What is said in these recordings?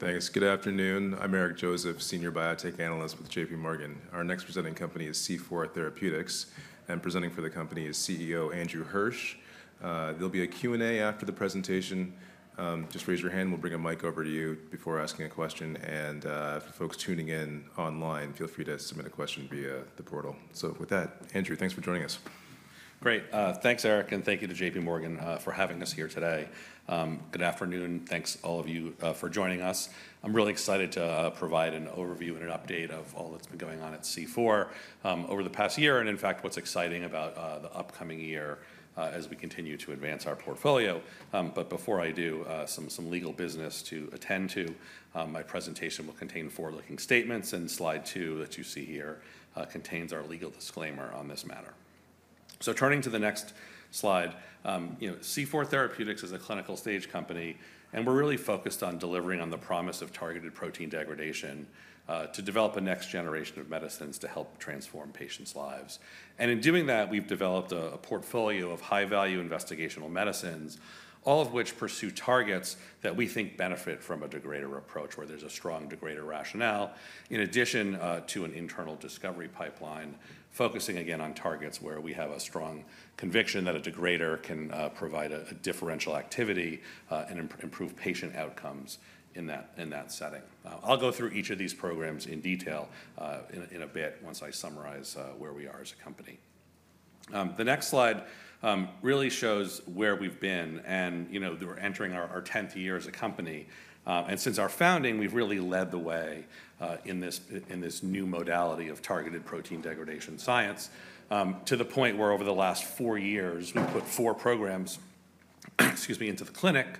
All right, thanks. Good afternoon. I'm Eric Joseph, Senior Biotech Analyst with JPMorgan. Our next presenting company is C4 Therapeutics, and presenting for the company is CEO Andrew Hirsch. There'll be a Q&A after the presentation. Just raise your hand, and we'll bring a mic over to you before asking a question, and for folks tuning in online, feel free to submit a question via the portal, so with that, Andrew, thanks for joining us. Great. Thanks, Eric, and thank you to JPMorgan for having us here today. Good afternoon. Thanks, all of you, for joining us. I'm really excited to provide an overview and an update of all that's been going on at C4 over the past year and, in fact, what's exciting about the upcoming year as we continue to advance our portfolio. But before I do, some legal business to attend to. My presentation will contain forward-looking statements, and slide two that you see here contains our legal disclaimer on this matter. So turning to the next slide, C4 Therapeutics is a clinical-stage company, and we're really focused on delivering on the promise of targeted protein degradation to develop a next generation of medicines to help transform patients' lives. And in doing that, we've developed a portfolio of high-value investigational medicines, all of which pursue targets that we think benefit from a degrader approach, where there's a strong degrader rationale, in addition to an internal discovery pipeline, focusing, again, on targets where we have a strong conviction that a degrader can provide a differential activity and improve patient outcomes in that setting. I'll go through each of these programs in detail in a bit once I summarize where we are as a company. The next slide really shows where we've been, and we're entering our 10th year as a company. Since our founding, we've really led the way in this new modality of targeted protein degradation science to the point where, over the last four years, we put four programs, excuse me, into the clinic,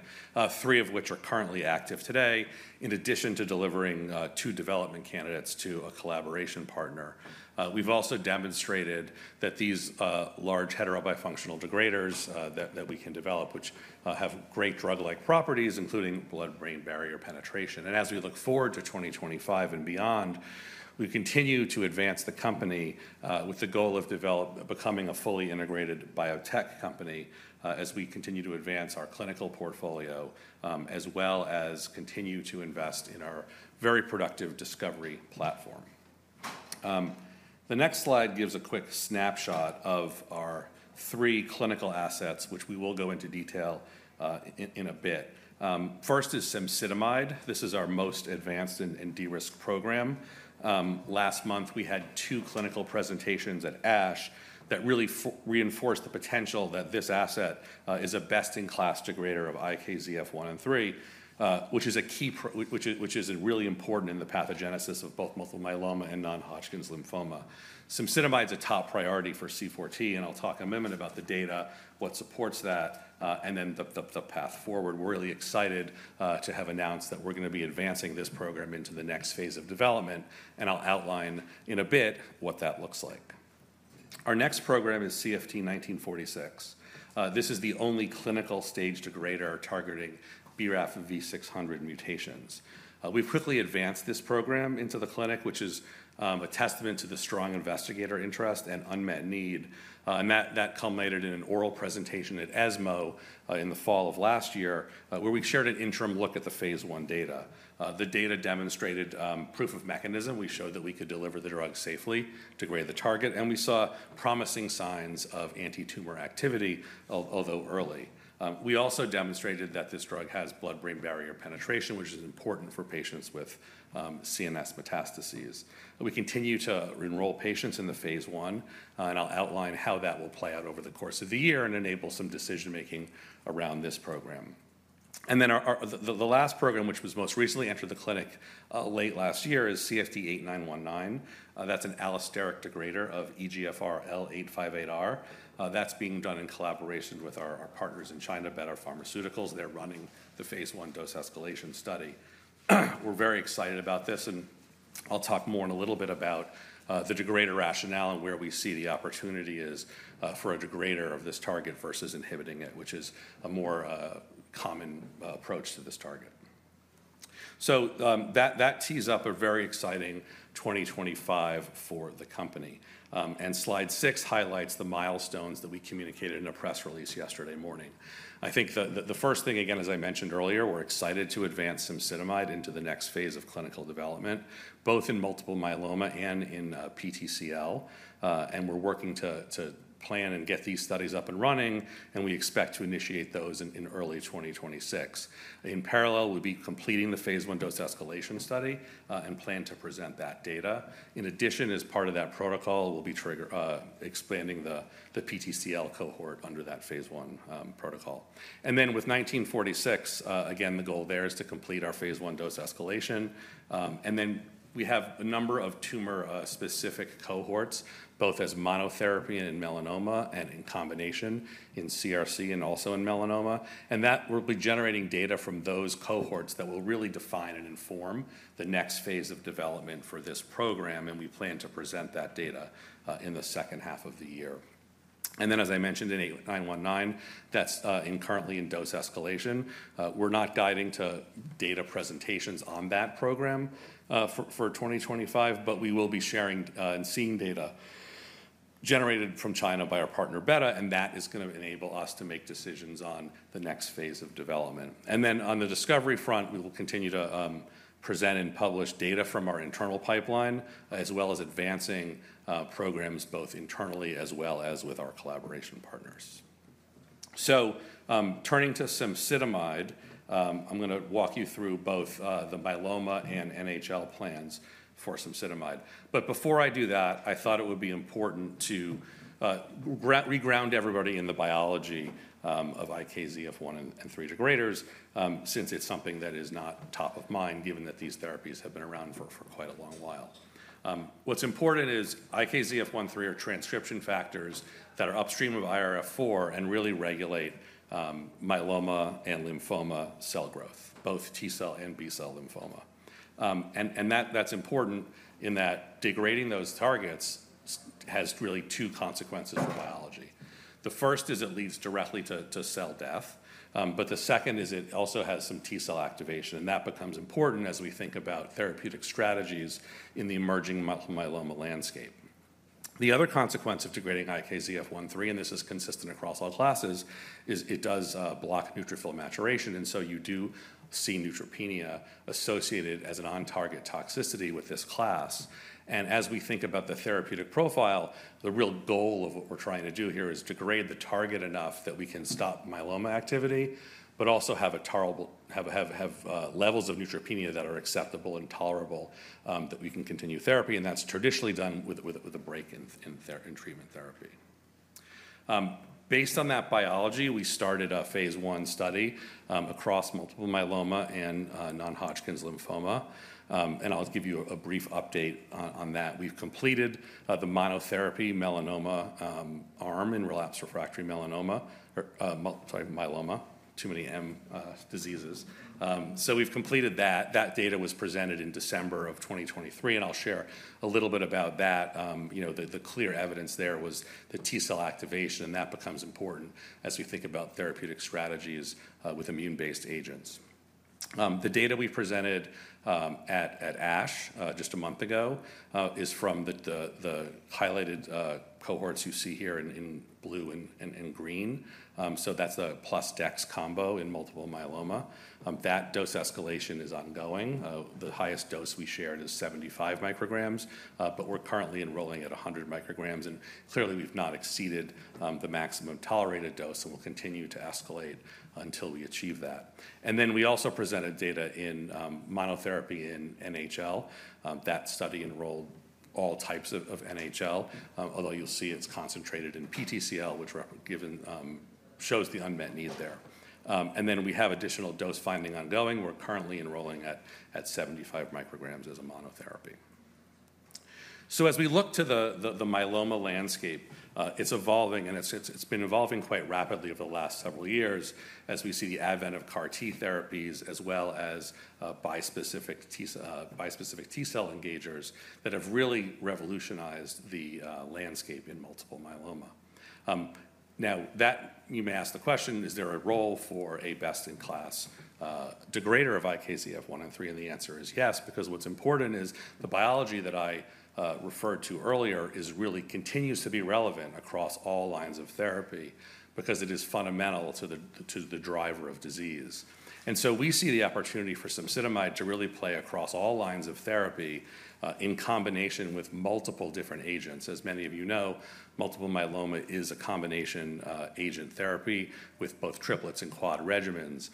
three of which are currently active today, in addition to delivering two development candidates to a collaboration partner. We've also demonstrated that these large heterobifunctional degraders that we can develop, which have great drug-like properties, including blood-brain barrier penetration. As we look forward to 2025 and beyond, we continue to advance the company with the goal of becoming a fully integrated biotech company as we continue to advance our clinical portfolio, as well as continue to invest in our very productive discovery platform. The next slide gives a quick snapshot of our three clinical assets, which we will go into detail in a bit. First is cemsidomide. This is our most advanced and de-risk program. Last month, we had two clinical presentations at ASH that really reinforced the potential that this asset is a best-in-class degrader of IKZF1/3 hich is a key, which is really important in the pathogenesis of both multiple myeloma and non-Hodgkin's lymphoma. cemsidomide is a top priority for C4T, and I'll talk a minute about the data, what supports that, and then the path forward. We're really excited to have announced that we're going to be advancing this program into the next phase of development, and I'll outline in a bit what that looks like. Our next program is CFT1946. This is the only clinical-stage degrader targeting BRAF V600 mutations. We've quickly advanced this program into the clinic, which is a testament to the strong investigator interest and unmet need. That culminated in an oral presentation at ESMO in the fall of last year, where we shared an interim look at the phase I data. The data demonstrated proof of mechanism. We showed that we could deliver the drug safely to degrade the target, and we saw promising signs of anti-tumor activity, although early. We also demonstrated that this drug has blood-brain barrier penetration, which is important for patients with CNS metastases. We continue to enroll patients in the phase I, and I'll outline how that will play out over the course of the year and enable some decision-making around this program. Then the last program, which was most recently entered the clinic late last year, is CFT8919. That's an allosteric degrader of EGFR L858R. That's being done in collaboration with our partners in China, Betta Pharmaceuticals. They're running the phase I dose escalation study. We're very excited about this, and I'll talk more in a little bit about the degrader rationale and where we see the opportunity is for a degrader of this target versus inhibiting it, which is a more common approach to this target, so that tees up a very exciting 2025 for the company, and slide six highlights the milestones that we communicated in a press release yesterday morning. I think the first thing, again, as I mentioned earlier, we're excited to advance cemsidomide into the next phase of clinical development, both in multiple myeloma and in PTCL, and we're working to plan and get these studies up and running, and we expect to initiate those in early 2026. In parallel, we'll be completing the phase I dose escalation study and plan to present that data. In addition, as part of that protocol, we'll be expanding the PTCL cohort under that phase I protocol, and then with 1946, again, the goal there is to complete our phase I dose escalation, and then we have a number of tumor-specific cohorts, both as monotherapy and in melanoma and in combination in CRC and also in melanoma, and that we'll be generating data from those cohorts that will really define and inform the next phase of development for this program, and we plan to present that data in the second half of the year, and then, as I mentioned, in 8919, that's currently in dose escalation. We're not guiding to data presentations on that program for 2025, but we will be sharing and seeing data generated from China by our partner, Betta, and that is going to enable us to make decisions on the next phase of development. And then on the discovery front, we will continue to present and publish data from our internal pipeline, as well as advancing programs both internally as well as with our collaboration partners. So turning to cemsidomide, I'm going to walk you through both the myeloma and NHL plans for cemsidomide. But before I do that, I thought it would be important to reground everybody in the biology of IKZF1/3 degraders, since it's something that is not top of mind, given that these therapies have been around for quite a long while. What's important is IKZF1/3 are transcription factors that are upstream of IRF4 and really regulate myeloma and lymphoma cell growth, both T cell and B cell lymphoma. And that's important in that degrading those targets has really two consequences for biology. The first is it leads directly to cell death, but the second is it also has some T cell activation, and that becomes important as we think about therapeutic strategies in the emerging multiple myeloma landscape. The other consequence of degrading IKZF1/3, and this is consistent across all classes, is it does block neutrophil maturation, and so you do see neutropenia associated as an on-target toxicity with this class. And as we think about the therapeutic profile, the real goal of what we're trying to do here is degrade the target enough that we can stop myeloma activity, but also have levels of neutropenia that are acceptable and tolerable that we can continue therapy, and that's traditionally done with a break in treatment therapy. Based on that biology, we started a phase I study across multiple myeloma and non-Hodgkin's lymphoma, and I'll give you a brief update on that. We've completed the monotherapy melanoma arm in relapsed refractory melanoma, sorry, myeloma, too many M diseases, so we've completed that. That data was presented in December of 2023, and I'll share a little bit about that. The clear evidence there was the T cell activation, and that becomes important as we think about therapeutic strategies with immune-based agents. The data we presented at ASH just a month ago is from the highlighted cohorts you see here in blue and green, so that's the plus Dex combo in multiple myeloma. That dose escalation is ongoing. The highest dose we shared is 75 mcg, but we're currently enrolling at 100 mcg, and clearly we've not exceeded the maximum tolerated dose, and we'll continue to escalate until we achieve that. And then we also presented data in monotherapy in NHL. That study enrolled all types of NHL, although you'll see it's concentrated in PTCL, which shows the unmet need there. And then we have additional dose finding ongoing. We're currently enrolling at 75 mcg as a monotherapy. So as we look to the myeloma landscape, it's evolving, and it's been evolving quite rapidly over the last several years as we see the advent of CAR-T therapies, as well as bispecific T-cell engagers that have really revolutionized the landscape in multiple myeloma. Now, you may ask the question, is there a role for a best-in-class degrader of IKZF1/3? The answer is yes, because what's important is the biology that I referred to earlier really continues to be relevant across all lines of therapy because it is fundamental to the driver of disease. We see the opportunity for cemsidomide to really play across all lines of therapy in combination with multiple different agents. As many of you know, multiple myeloma is a combination agent therapy with both triplets and quad regimens.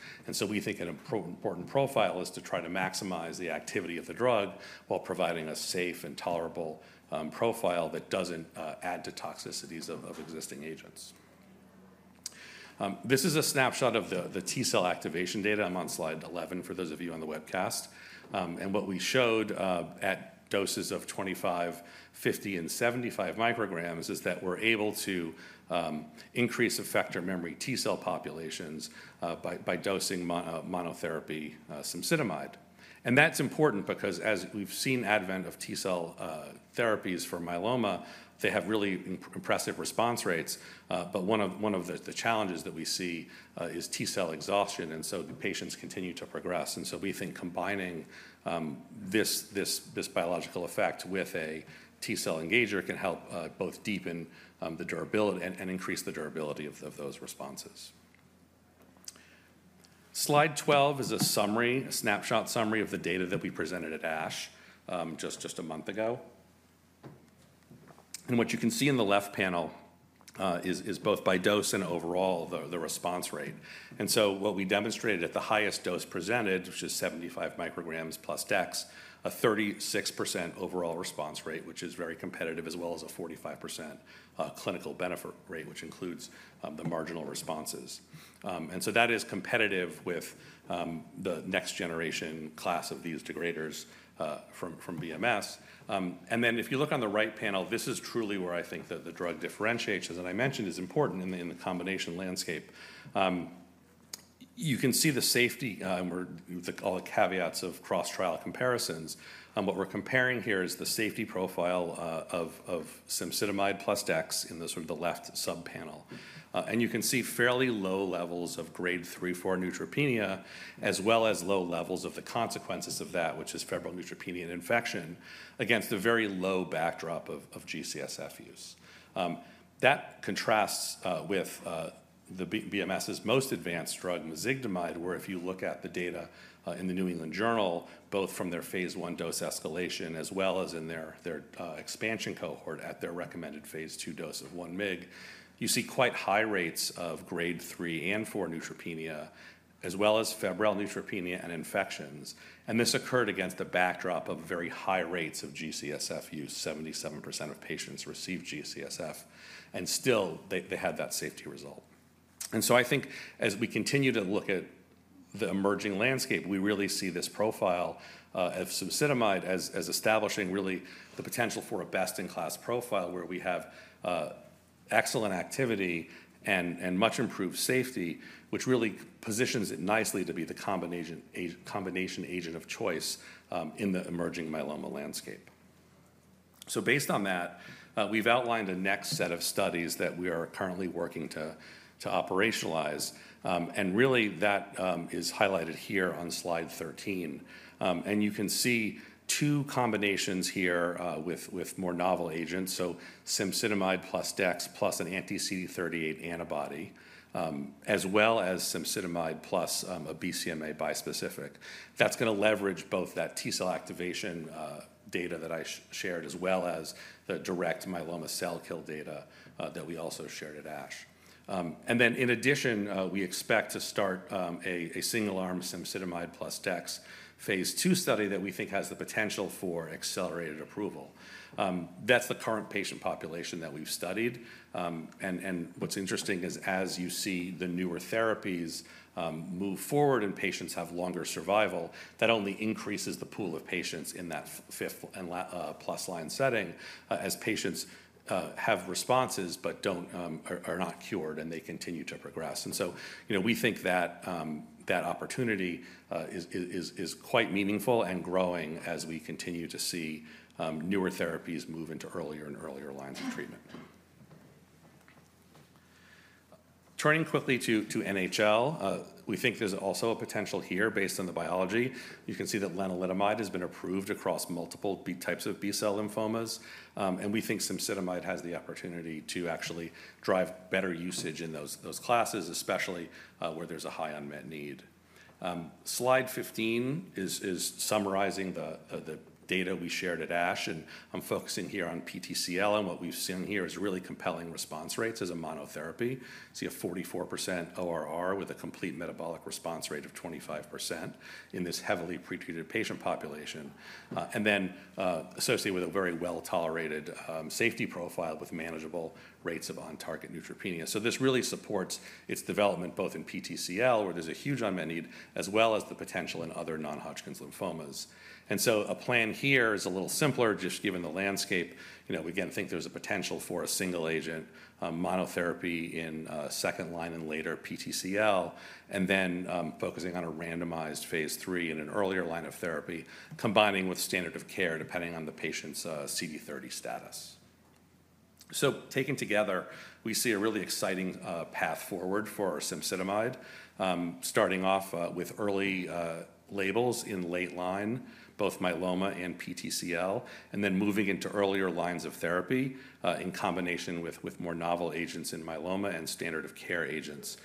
We think an important profile is to try to maximize the activity of the drug while providing a safe and tolerable profile that doesn't add to toxicities of existing agents. This is a snapshot of the T cell activation data. I'm on slide 11 for those of you on the webcast. What we showed at doses of 25 mcg, 50 mcg, and 75 mcg is that we're able to increase effector memory T cell populations by dosing monotherapy cemsidomide. That's important because as we've seen the advent of T cell therapies for myeloma, they have really impressive response rates, but one of the challenges that we see is T cell exhaustion, and so the patients continue to progress. We think combining this biological effect with a T cell engager can help both deepen the durability and increase the durability of those responses. Slide 12 is a summary, a snapshot summary of the data that we presented at ASH just a month ago. What you can see in the left panel is both by dose and overall the response rate. What we demonstrated at the highest dose presented, which is 75 mcg plus Dex, a 36% overall response rate, which is very competitive, as well as a 45% clinical benefit rate, which includes the marginal responses. That is competitive with the next generation class of these degraders from BMS. Then if you look on the right panel, this is truly where I think that the drug differentiates, as I mentioned, is important in the combination landscape. You can see the safety, and we're with all the caveats of cross-trial comparisons. What we're comparing here is the safety profile of cemsidomide plus Dex in the sort of the left subpanel. You can see fairly low levels of Grade 3, Grade 4 neutropenia, as well as low levels of the consequences of that, which is febrile neutropenia and infection, against a very low backdrop of G-CSF use. That contrasts with BMS's most advanced drug, mezigdomide, where if you look at the data in the New England Journal of Medicine, both from their phase I dose escalation, as well as in their expansion cohort at their recommended phase II dose of 1 mg, you see quite high rates of Grade 3 and Grade 4 neutropenia, as well as febrile neutropenia and infections, and this occurred against the backdrop of very high rates of G-CSF use. 77% of patients received G-CSF, and still they had that safety result, and so I think as we continue to look at the emerging landscape, we really see this profile of cemsidomide as establishing really the potential for a best-in-class profile where we have excellent activity and much improved safety, which really positions it nicely to be the combination agent of choice in the emerging myeloma landscape. So based on that, we've outlined a next set of studies that we are currently working to operationalize, and really that is highlighted here on slide 13. And you can see two combinations here with more novel agents, so cemsidomide plus Dex plus an anti-CD38 antibody, as well as cemsidomide plus a BCMA bispecific. That's going to leverage both that T cell activation data that I shared, as well as the direct myeloma cell kill data that we also shared at ASH. And then in addition, we expect to start a single-arm cemsidomide plus Dex phase II study that we think has the potential for accelerated approval. That's the current patient population that we've studied. What's interesting is as you see the newer therapies move forward and patients have longer survival, that only increases the pool of patients in that fifth plus line setting as patients have responses but are not cured and they continue to progress. So we think that opportunity is quite meaningful and growing as we continue to see newer therapies move into earlier and earlier lines of treatment. Turning quickly to NHL, we think there's also a potential here based on the biology. You can see that Lenalidomide has been approved across multiple types of B-cell lymphomas, and we think cemsidomide has the opportunity to actually drive better usage in those classes, especially where there's a high unmet need. Slide 15 is summarizing the data we shared at ASH, and I'm focusing here on PTCL, and what we've seen here is really compelling response rates as a monotherapy. So you have 44% ORR with a complete metabolic response rate of 25% in this heavily pretreated patient population, and then associated with a very well-tolerated safety profile with manageable rates of on-target neutropenia. So this really supports its development both in PTCL, where there's a huge unmet need, as well as the potential in other non-Hodgkin's lymphomas. And so a plan here is a little simpler, just given the landscape. Again, I think there's a potential for a single agent monotherapy in second line and later PTCL, and then focusing on a randomized phase III in an earlier line of therapy, combining with standard of care depending on the patient's CD30 status. So taken together, we see a really exciting path forward for cemsidomide, starting off with early labels in late line, both myeloma and PTCL, and then moving into earlier lines of therapy in combination with more novel agents in myeloma and standard of care agents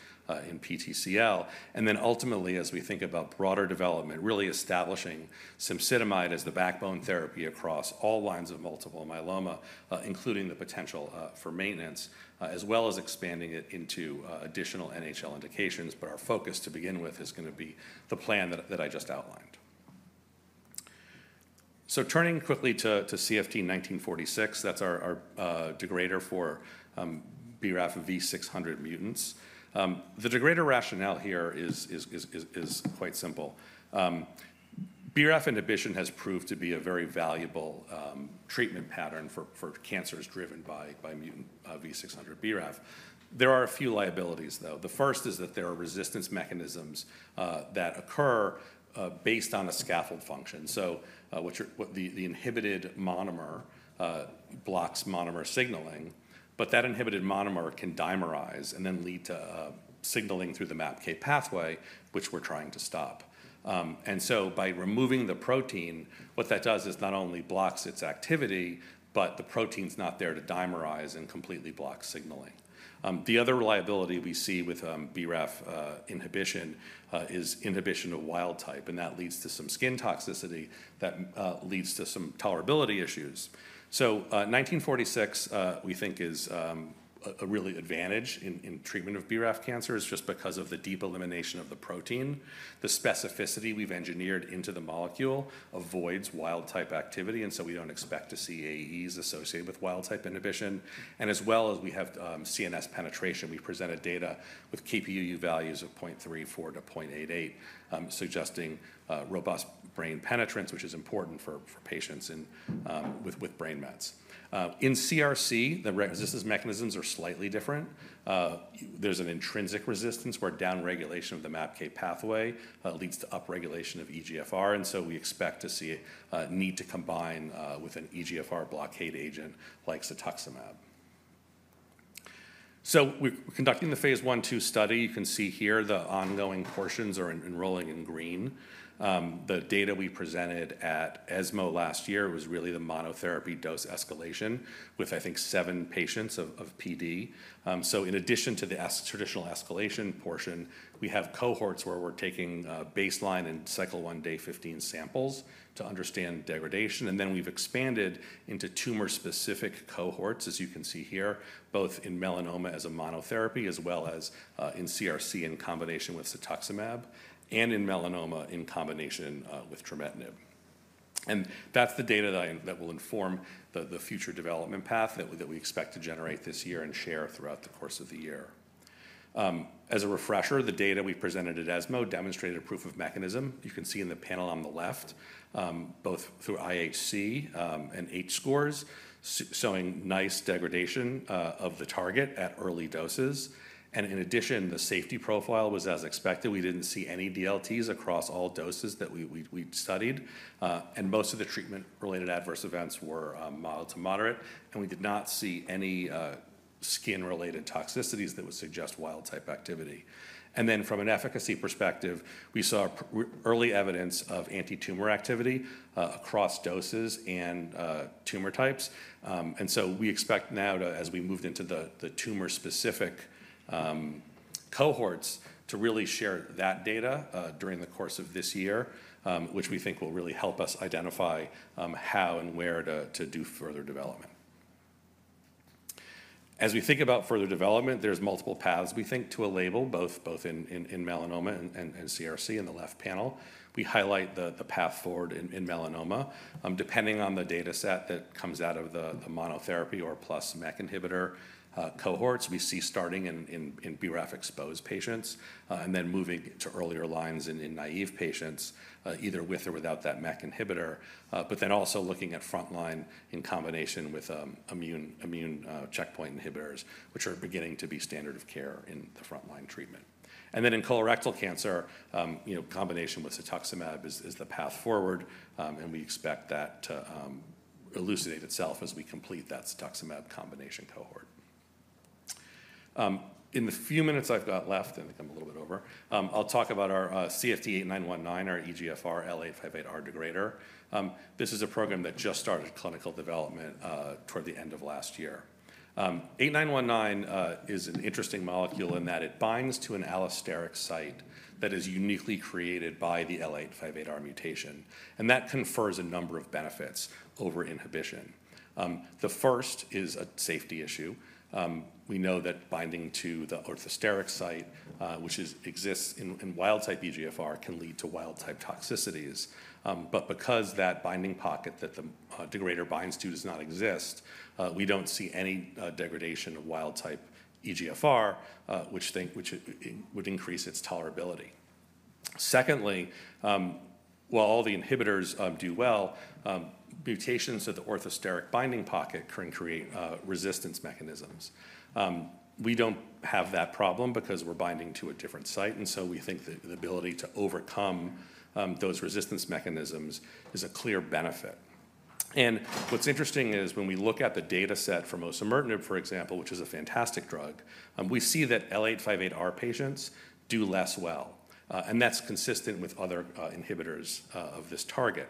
in PTCL. And then ultimately, as we think about broader development, really establishing cemsidomide as the backbone therapy across all lines of multiple myeloma, including the potential for maintenance, as well as expanding it into additional NHL indications, but our focus to begin with is going to be the plan that I just outlined. So turning quickly to CFT1946, that's our degrader for BRAF V600 mutants. The degrader rationale here is quite simple. BRAF inhibition has proved to be a very valuable treatment pattern for cancers driven by mutant V600 BRAF. There are a few liabilities, though. The first is that there are resistance mechanisms that occur based on a scaffold function. So the inhibited monomer blocks monomer signaling, but that inhibited monomer can dimerize and then lead to signaling through the MAPK pathway, which we're trying to stop. And so by removing the protein, what that does is not only blocks its activity, but the protein's not there to dimerize and completely blocks signaling. The other liability we see with BRAF inhibition is inhibition of wild type, and that leads to some skin toxicity that leads to some tolerability issues. So CFT1946, we think, is a really advantage in treatment of BRAF cancer just because of the deep elimination of the protein. The specificity we've engineered into the molecule avoids wild type activity, and so we don't expect to see AEs associated with wild type inhibition. As well as we have CNS penetration, we've presented data with Kp,uu values of 0.34-0.88, suggesting robust brain penetrance, which is important for patients with brain mets. In CRC, the resistance mechanisms are slightly different. There's an intrinsic resistance where downregulation of the MAPK pathway leads to upregulation of EGFR, and so we expect to see a need to combine with an EGFR blockade agent like cetuximab. We're conducting the phase I/II study. You can see here the ongoing portions are enrolling in green. The data we presented at ESMO last year was really the monotherapy dose escalation with, I think, seven patients of PD. In addition to the traditional escalation portion, we have cohorts where we're taking baseline and cycle one day 15 samples to understand degradation. And then we've expanded into tumor-specific cohorts, as you can see here, both in melanoma as a monotherapy, as well as in CRC in combination with cetuximab, and in melanoma in combination with trametinib. And that's the data that will inform the future development path that we expect to generate this year and share throughout the course of the year. As a refresher, the data we presented at ESMO demonstrated a proof of mechanism. You can see in the panel on the left, both through IHC and H scores, showing nice degradation of the target at early doses. And in addition, the safety profile was as expected. We didn't see any DLTs across all doses that we studied, and most of the treatment-related adverse events were mild to moderate, and we did not see any skin-related toxicities that would suggest wild type activity. And then from an efficacy perspective, we saw early evidence of anti-tumor activity across doses and tumor types. And so we expect now, as we move into the tumor-specific cohorts, to really share that data during the course of this year, which we think will really help us identify how and where to do further development. As we think about further development, there's multiple paths, we think, to a label, both in melanoma and CRC in the left panel. We highlight the path forward in melanoma. Depending on the data set that comes out of the monotherapy or plus-MEK inhibitor cohorts, we see starting in BRAF exposed patients and then moving to earlier lines in naive patients, either with or without that MEK inhibitor, but then also looking at front line in combination with immune checkpoint inhibitors, which are beginning to be standard of care in the front line treatment. Then in colorectal cancer, combination with cetuximab is the path forward, and we expect that to elucidate itself as we complete that cetuximab combination cohort. In the few minutes I've got left, I think I'm a little bit over. I'll talk about our CFT8919, our EGFR L858R degrader. This is a program that just started clinical development toward the end of last year. 8919 is an interesting molecule in that it binds to an allosteric site that is uniquely created by the L858R mutation, and that confers a number of benefits over inhibition. The first is a safety issue. We know that binding to the orthosteric site, which exists in wild-type EGFR, can lead to wild-type toxicities. But because that binding pocket that the degrader binds to does not exist, we don't see any degradation of wild-type EGFR, which would increase its tolerability. Secondly, while all the inhibitors do well, mutations of the orthosteric binding pocket can create resistance mechanisms. We don't have that problem because we're binding to a different site, and so we think that the ability to overcome those resistance mechanisms is a clear benefit, and what's interesting is when we look at the data set for osimertinib, for example, which is a fantastic drug, we see that L858R patients do less well, and that's consistent with other inhibitors of this target,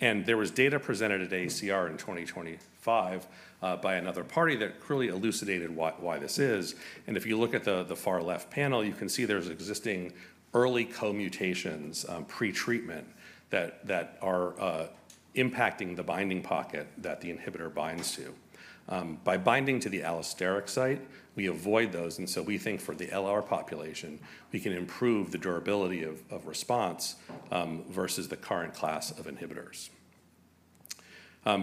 and there was data presented at AACR in 2025 by another party that really elucidated why this is, and if you look at the far left panel, you can see there's existing early co-mutations pre-treatment that are impacting the binding pocket that the inhibitor binds to. By binding to the allosteric site, we avoid those, and so we think for the LR population, we can improve the durability of response versus the current class of inhibitors.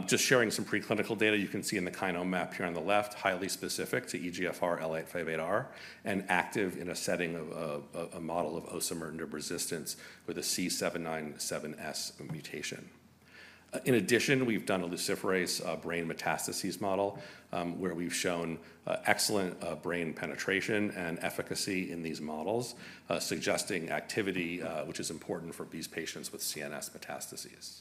Just sharing some preclinical data, you can see in the Kinome map here on the left, highly specific to EGFR L858R and active in a setting of a model of osimertinib resistance with a C797S mutation. In addition, we've done a luciferase brain metastases model where we've shown excellent brain penetration and efficacy in these models, suggesting activity which is important for these patients with CNS metastases.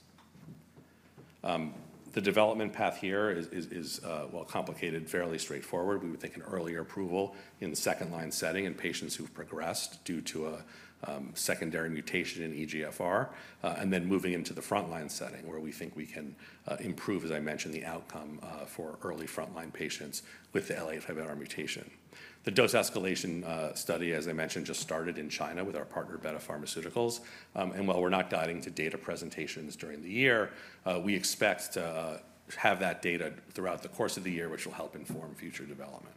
The development path here is, while complicated, fairly straightforward. We would think an earlier approval in the second line setting in patients who've progressed due to a secondary mutation in EGFR, and then moving into the front line setting where we think we can improve, as I mentioned, the outcome for early front line patients with the L858R mutation. The dose escalation study, as I mentioned, just started in China with our partner, Betta Pharmaceuticals, and while we're not guiding to data presentations during the year, we expect to have that data throughout the course of the year, which will help inform future development,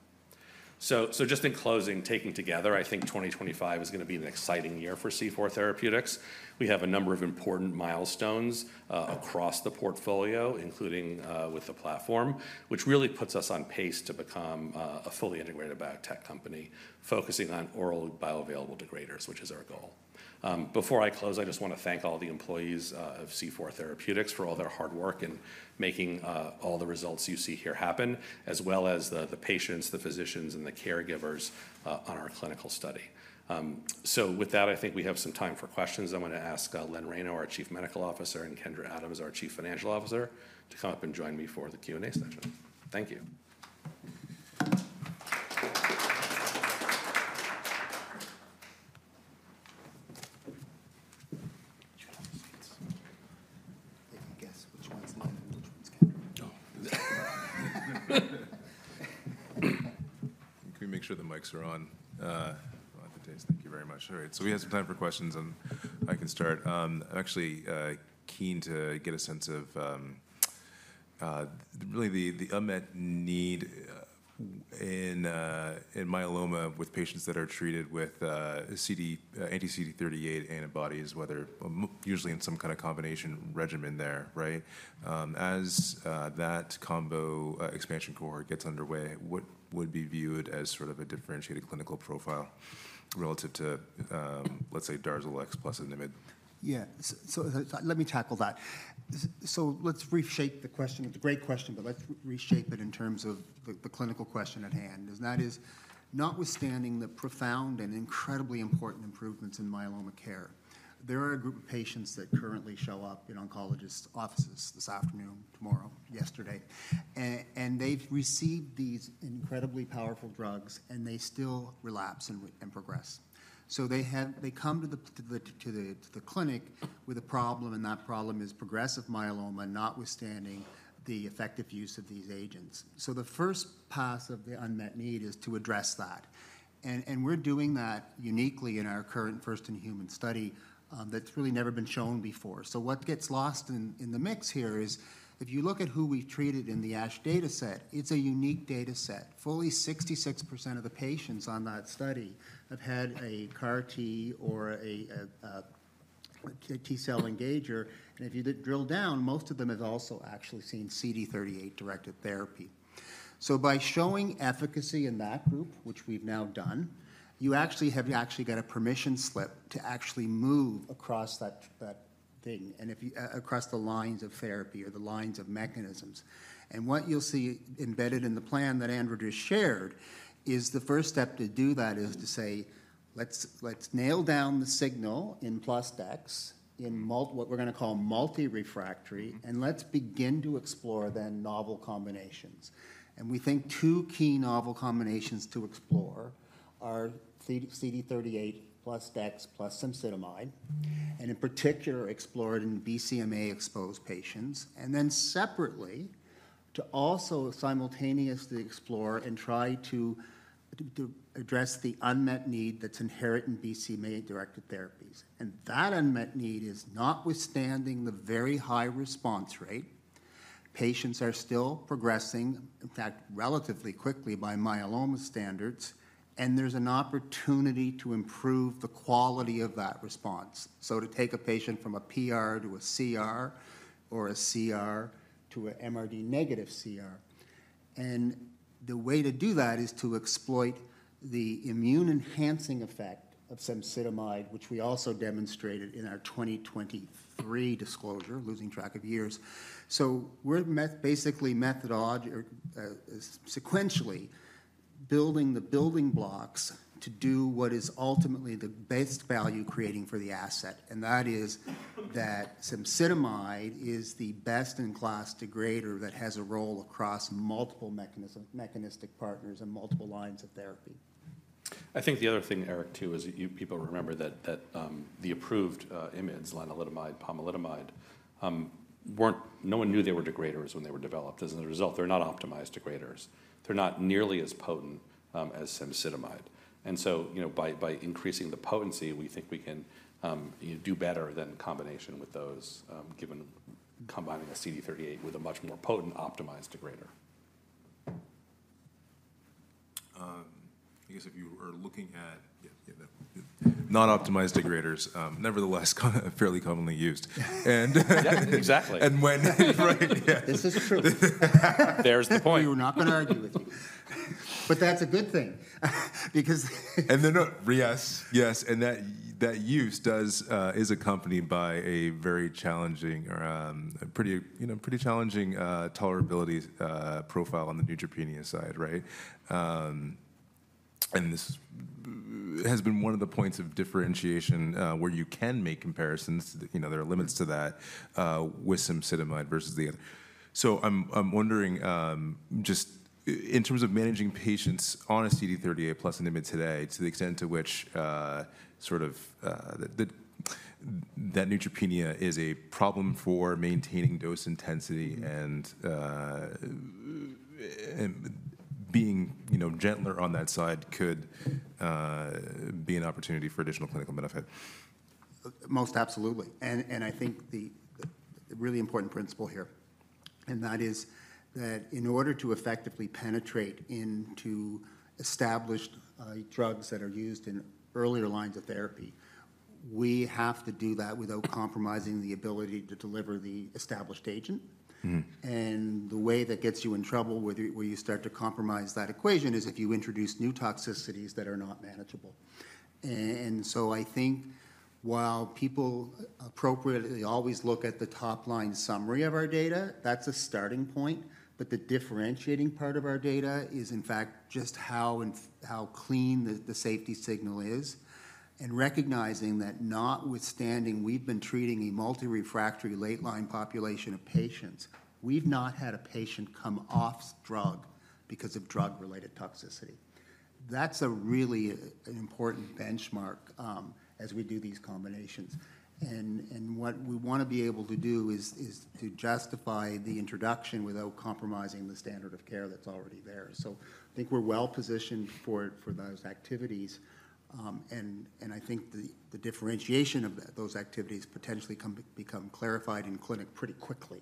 so just in closing, taking together, I think 2025 is going to be an exciting year for C4 Therapeutics. We have a number of important milestones across the portfolio, including with the platform, which really puts us on pace to become a fully integrated biotech company focusing on oral bioavailable degraders, which is our goal. Before I close, I just want to thank all the employees of C4 Therapeutics for all their hard work in making all the results you see here happen, as well as the patients, the physicians, and the caregivers on our clinical study. So with that, I think we have some time for questions. I want to ask Len Reyno, our Chief Medical Officer, and Kendra Adams, our Chief Financial Officer, to come up and join me for the Q&A session. Thank you. Can you guess which one's live and which one's Kendra? Can we make sure the mics are on? Thank you very much. All right. So we have some time for questions, and I can start. I'm actually keen to get a sense of really the unmet need in myeloma with patients that are treated with anti-CD38 antibodies, whether usually in some kind of combination regimen there, right? As that combo expansion cohort gets underway, what would be viewed as sort of a differentiated clinical profile relative to, let's say, Darzalex plus IMiD? Yeah. So let me tackle that. So let's reshape the question. It's a great question, but let's reshape it in terms of the clinical question at hand. And that is, notwithstanding the profound and incredibly important improvements in myeloma care, there are a group of patients that currently show up in oncologists' offices this afternoon, tomorrow, yesterday, and they've received these incredibly powerful drugs, and they still relapse and progress. So they come to the clinic with a problem, and that problem is progressive myeloma, notwithstanding the effective use of these agents. So the first pass of the unmet need is to address that. And we're doing that uniquely in our current first-in-human study that's really never been shown before. So what gets lost in the mix here is if you look at who we've treated in the ASH data set, it's a unique data set. Fully 66% of the patients on that study have had a CAR-T or a T-cell engager, and if you drill down, most of them have also actually seen CD38 directed therapy. So by showing efficacy in that group, which we've now done, you actually have actually got a permission slip to actually move across that thing, across the lines of therapy or the lines of mechanisms. And what you'll see embedded in the plan that Andrew just shared is the first step to do that is to say, let's nail down the signal in plus Dex in what we're going to call multi-refractory, and let's begin to explore then novel combinations. We think two key novel combinations to explore are CD38 plus Dex plus cemsidomide, and in particular, explored in BCMA-exposed patients, and then separately, to also simultaneously explore and try to address the unmet need that's inherent in BCMA-directed therapies. That unmet need is notwithstanding the very high response rate. Patients are still progressing, in fact, relatively quickly by myeloma standards, and there's an opportunity to improve the quality of that response. To take a patient from a PR to a CR or a CR to an MRD-negative CR, and the way to do that is to exploit the immune-enhancing effect of cemsidomide, which we also demonstrated in our 2023 disclosure, losing track of years. We're basically sequentially building the building blocks to do what is ultimately the best value creating for the asset, and that is that cemsidomide is the best-in-class degrader that has a role across multiple mechanistic partners and multiple lines of therapy. I think the other thing, Eric, too, is people remember that the approved IMiDs, lenalidomide, pomalidomide, no one knew they were degraders when they were developed. As a result, they're not optimized degraders. They're not nearly as potent as cemsidomide, and so by increasing the potency, we think we can do better than combination with those, combining a CD38 with a much more potent optimized degrader. I guess if you are looking at non-optimized degraders, nevertheless, fairly commonly used. Exactly. And when. This is true. There's the point. We were not going to argue with you, but that's a good thing because. Yes. Yes. That use is accompanied by a very challenging, pretty challenging tolerability profile on the neutropenia side, right? This has been one of the points of differentiation where you can make comparisons. There are limits to that with cemsidomide versus the other. So I'm wondering, just in terms of managing patients on a CD38 plus an IMiD today, to the extent to which sort of that neutropenia is a problem for maintaining dose intensity and being gentler on that side could be an opportunity for additional clinical benefit. Most absolutely. And I think the really important principle here, and that is that in order to effectively penetrate into established drugs that are used in earlier lines of therapy, we have to do that without compromising the ability to deliver the established agent. And the way that gets you in trouble where you start to compromise that equation is if you introduce new toxicities that are not manageable. And so I think while people appropriately always look at the top line summary of our data, that's a starting point, but the differentiating part of our data is, in fact, just how clean the safety signal is and recognizing that notwithstanding we've been treating a multi-refractory late line population of patients, we've not had a patient come off drug because of drug-related toxicity. That's a really important benchmark as we do these combinations. And what we want to be able to do is to justify the introduction without compromising the standard of care that's already there. So I think we're well positioned for those activities, and I think the differentiation of those activities potentially become clarified in clinic pretty quickly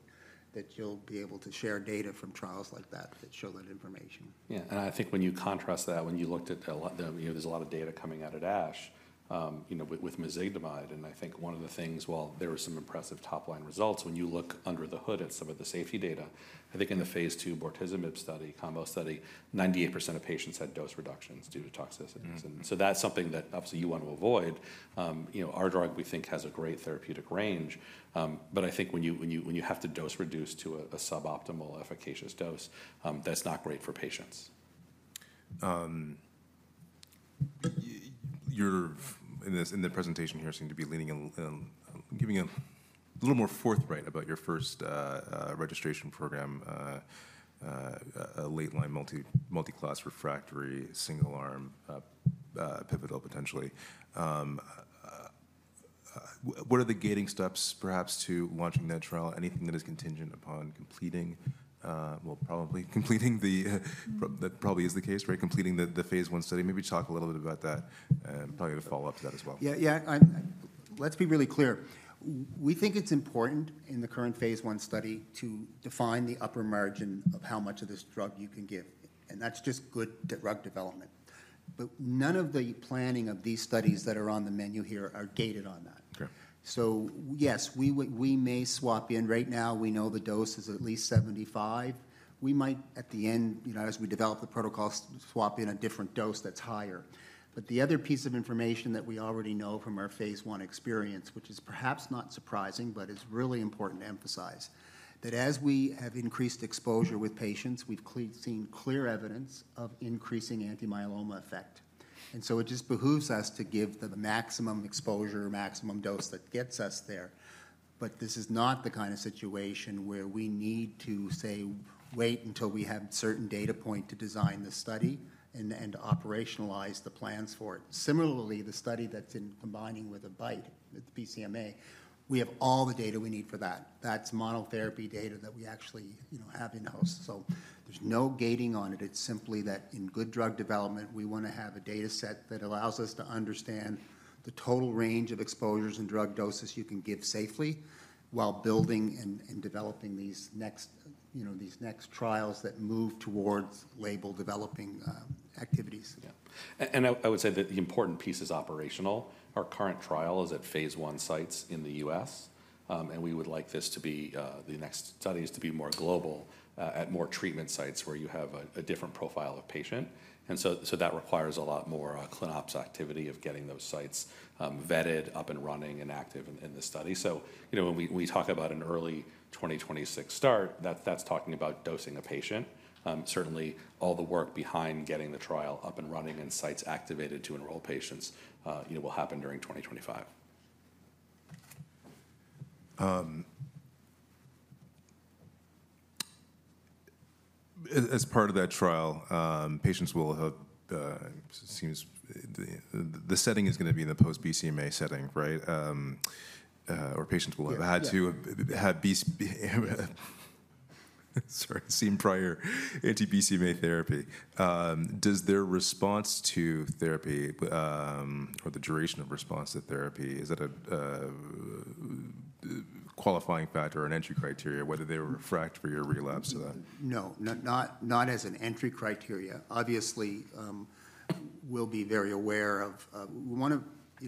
that you'll be able to share data from trials like that that show that information. Yeah. And I think when you contrast that, when you looked at there's a lot of data coming out at ASH with mezigdomide, and I think one of the things, while there were some impressive top line results, when you look under the hood at some of the safety data, I think in the phase II bortezomib study, combo study, 98% of patients had dose reductions due to toxicities. And so that's something that obviously you want to avoid. Our drug, we think, has a great therapeutic range, but I think when you have to dose reduce to a suboptimal efficacious dose, that's not great for patients. You, in the presentation here, seem to be giving a little more forthright about your first registration program, a late line multi-class refractory single-arm pivotal potentially. What are the gating steps perhaps to launching that trial? Anything that is contingent upon completing, well, probably completing that probably is the case, right? Completing the phase I study. Maybe talk a little bit about that and probably a follow-up to that as well. Yeah. Yeah. Let's be really clear. We think it's important in the current phase I study to define the upper margin of how much of this drug you can give, and that's just good drug development. But none of the planning of these studies that are on the menu here are gated on that. So yes, we may swap in. Right now, we know the dose is at least 75. We might, at the end, as we develop the protocol, swap in a different dose that's higher. But the other piece of information that we already know from our phase I experience, which is perhaps not surprising, but is really important to emphasize, that as we have increased exposure with patients, we've seen clear evidence of increasing anti-myeloma effect. And so it just behooves us to give the maximum exposure, maximum dose that gets us there. But this is not the kind of situation where we need to, say, wait until we have a certain data point to design the study and operationalize the plans for it. Similarly, the study that's in combining with a BiTE, the BCMA, we have all the data we need for that. That's monotherapy data that we actually have in-house. So there's no gating on it. It's simply that in good drug development, we want to have a data set that allows us to understand the total range of exposures and drug doses you can give safely while building and developing these next trials that move towards label developing activities. Yeah, and I would say that the important piece is operational. Our current trial is at phase I sites in the U.S., and we would like this to be the next studies to be more global at more treatment sites where you have a different profile of patient, and so that requires a lot more cleanup activity of getting those sites vetted, up and running, and active in the study, so when we talk about an early 2026 start, that's talking about dosing a patient. Certainly, all the work behind getting the trial up and running and sites activated to enroll patients will happen during 2025. As part of that trial, patients will have the setting is going to be in the post-BCMA setting, right? Or patients will have had to have seen prior anti-BCMA therapy. Does their response to therapy or the duration of response to therapy, is that a qualifying factor or an entry criteria whether they were refractory or relapsed to that? No. Not as an entry criteria. Obviously, we'll be very aware of. We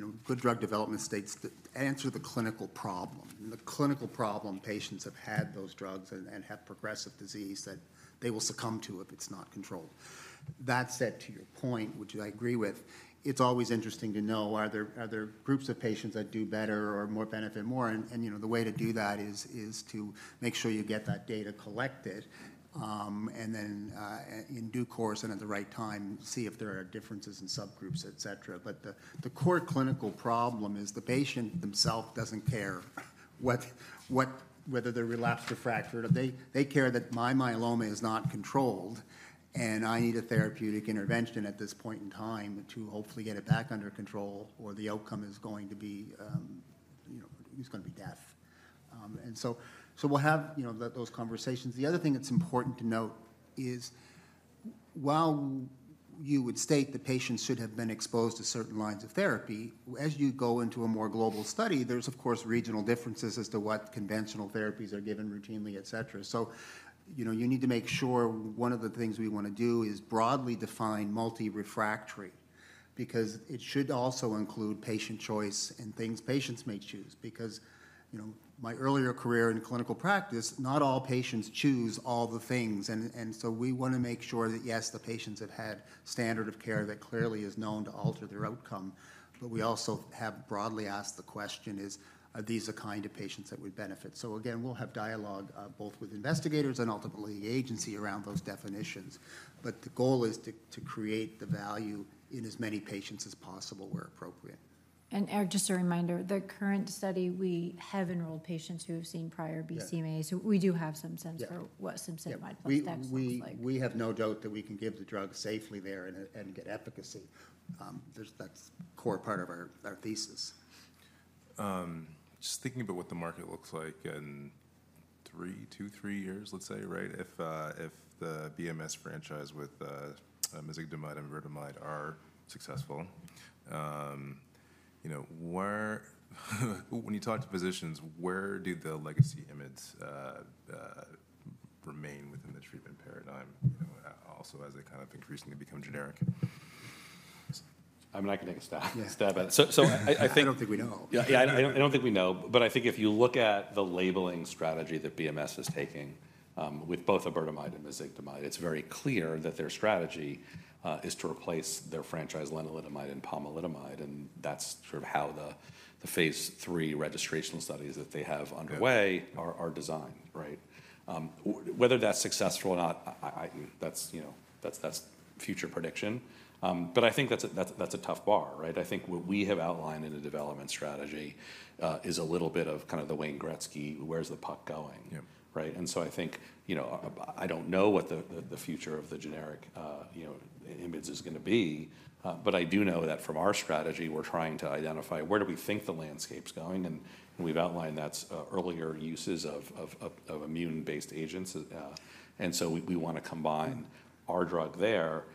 want good drug development studies that answer the clinical problem. The clinical problem, patients have had those drugs and have progressive disease that they will succumb to if it's not controlled. That said, to your point, which I agree with, it's always interesting to know are there groups of patients that do better or more benefit more. And the way to do that is to make sure you get that data collected and then in due course and at the right time, see if there are differences in subgroups, et cetera. But the core clinical problem is the patient themself doesn't care whether they're relapsed or refractory. They care that my myeloma is not controlled and I need a therapeutic intervention at this point in time to hopefully get it back under control or the outcome is going to be death, and so we'll have those conversations. The other thing that's important to note is while you would state the patient should have been exposed to certain lines of therapy, as you go into a more global study, there's, of course, regional differences as to what conventional therapies are given routinely, et cetera, so you need to make sure one of the things we want to do is broadly define multi-refractory because it should also include patient choice and things patients may choose. Because my earlier career in clinical practice, not all patients choose all the things. And so we want to make sure that, yes, the patients have had standard of care that clearly is known to alter their outcome, but we also have broadly asked the question, are these the kind of patients that would benefit? So again, we'll have dialogue both with investigators and ultimately the agency around those definitions. But the goal is to create the value in as many patients as possible where appropriate. Eric, just a reminder, the current study, we have enrolled patients who have seen prior BCMA, so we do have some sense for what cemsidomide plus Dex looks like. We have no doubt that we can give the drug safely there and get efficacy. That's a core part of our thesis. Just thinking about what the market looks like in two, three years, let's say, right? If the BMS franchise with mezigdomide and iberdomide are successful, when you talk to physicians, where do the legacy IMiDs remain within the treatment paradigm also as they kind of increasingly become generic? I mean, I can take a stab at it. So I think. I don't think we know. Yeah. I don't think we know, but I think if you look at the labeling strategy that BMS is taking with both Iberdomide and Mezigdomide, it's very clear that their strategy is to replace their franchise lenalidomide and pomalidomide, and that's sort of how the phase III registrational studies that they have underway are designed, right? Whether that's successful or not, that's future prediction. But I think that's a tough bar, right? I think what we have outlined in the development strategy is a little bit of kind of the Wayne Gretzky, where's the puck going, right? And so I think I don't know what the future of the generic IMiDs is going to be, but I do know that from our strategy, we're trying to identify where do we think the landscape's going. And we've outlined that's earlier uses of immune-based agents. And so we want to combine our drug there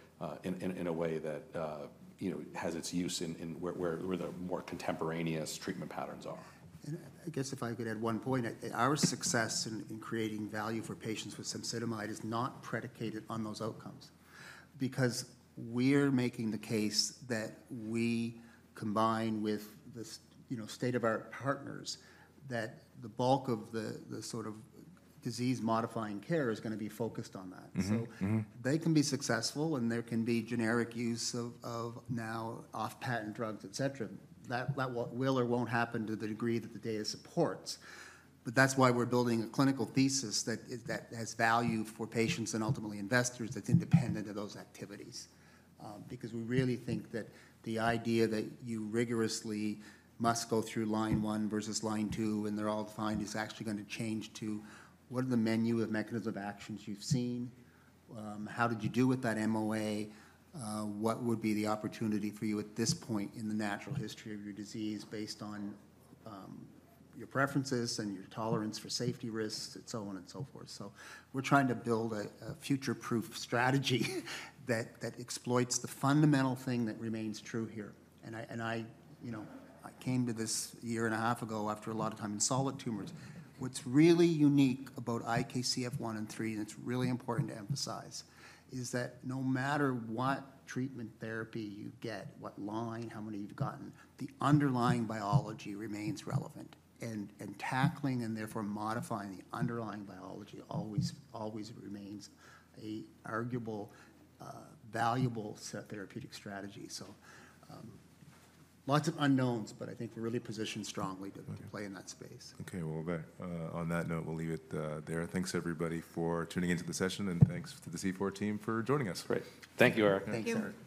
in a way that has its use in where the more contemporaneous treatment patterns are. I guess if I could add one point, our success in creating value for patients with cemsidomide is not predicated on those outcomes because we're making the case that we combine with the state of our partners that the bulk of the sort of disease-modifying care is going to be focused on that. So they can be successful and there can be generic use of now off-patent drugs, et cetera. That will or won't happen to the degree that the data supports. But that's why we're building a clinical thesis that has value for patients and ultimately investors that's independent of those activities because we really think that the idea that you rigorously must go through line one versus line two and they're all defined is actually going to change to what are the menu of mechanism of actions you've seen? How did you do with that MOA? What would be the opportunity for you at this point in the natural history of your disease based on your preferences and your tolerance for safety risks and so on and so forth? So we're trying to build a future-proof strategy that exploits the fundamental thing that remains true here. And I came to this a year and a half ago after a lot of time in solid tumors. What's really unique about IKZF1/3, and it's really important to emphasize, is that no matter what treatment therapy you get, what line, how many you've gotten, the underlying biology remains relevant. And tackling and therefore modifying the underlying biology always remains an arguable, valuable set of therapeutic strategies. So lots of unknowns, but I think we're really positioned strongly to play in that space. Okay. Well, on that note, we'll leave it there. Thanks, everybody, for tuning into the session, and thanks to the C4 team for joining us. Great. Thank you, Eric. Thank you.